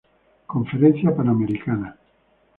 Conferencia Panamericana.